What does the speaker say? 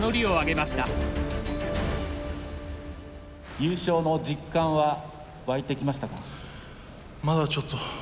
優勝の実感は湧いてきましたか？